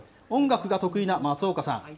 音楽が得意な松岡さん。